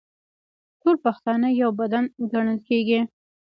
ټول پښتانه یو بدن ګڼل کیږي.